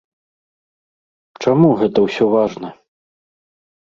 Чаму гэта ўсё важна?